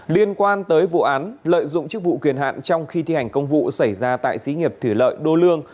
liên quan tới vụ án lợi dụng chức vụ quyền hạn trong khi thi hành công vụ xảy ra tại xí nghiệp thủy lợi đô lương